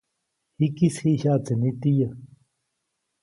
Jikis jiʼ jyaʼtse nitiyä.